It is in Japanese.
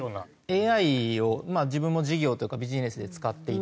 ＡＩをまあ自分も事業というかビジネスで使っていて。